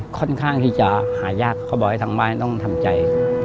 ค่อนข้างที่จะหายากเขาบอกให้ทางบ้านต้องทำใจ